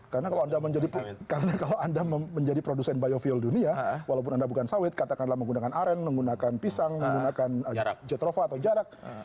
karena kalau anda menjadi produsen biofuel dunia walaupun anda bukan sawit katakanlah menggunakan aren menggunakan pisang menggunakan jetrova atau jarak